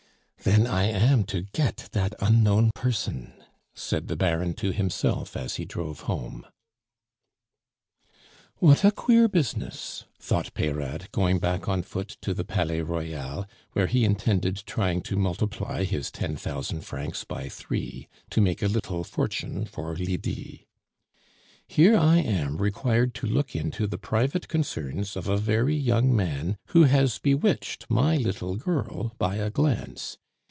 "Then I am to get dat unknown person," said the Baron to himself as he drove home. "What a queer business!" thought Peyrade, going back on foot to the Palais Royal, where he intended trying to multiply his ten thousand francs by three, to make a little fortune for Lydie. "Here I am required to look into the private concerns of a very young man who has bewitched my little girl by a glance.